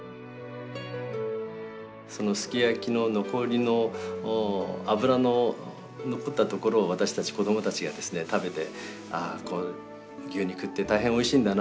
そのすき焼きの残りの脂の残ったところを私たち子供たちが食べてああ牛肉って大変おいしいんだな